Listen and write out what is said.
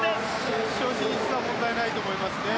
決勝進出は問題ないと思いますね。